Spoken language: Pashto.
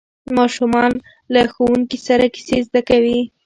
ماشومان له ښوونکي نوې کیسې زده کوي